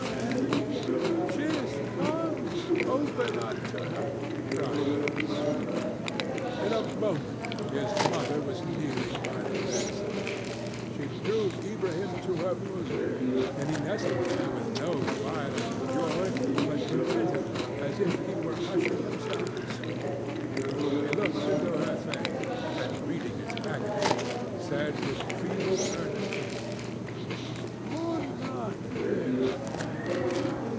"Friend, she is come! Open unto her!" cried he. In a moment his mother was kneeling by the bedside; she drew Ilbrahim to her bosom, and he nestled there with no violence of joy, but contentedly as if he were hushing himself to sleep. He looked into her face, and, reading its agony, said with feeble earnestness, "Mourn not, dearest mother.